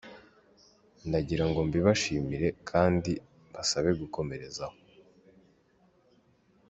Ndagira ngo mbibashimire kandi mbasabe gukomereza aho.